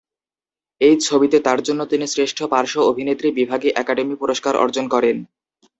এই ছবিতে তার জন্য তিনি শ্রেষ্ঠ পার্শ্ব অভিনেত্রী বিভাগে একাডেমি পুরস্কার অর্জন করেন।